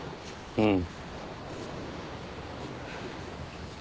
うん。